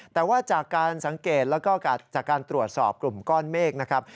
แต่ว่าจากการสังเกตแล้วก็จากการตรวจสอบกลุ่มก้อนเมฆนะครับ